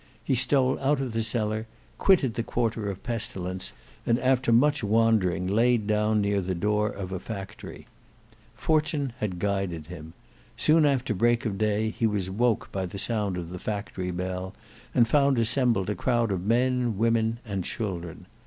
He stole out of the cellar, quitted the quarter of pestilence, and after much wandering laid down near the door of a factory. Fortune had guided him. Soon after break of day, he was woke by the sound of the factory bell, and found assembled a crowd of men, women, and children.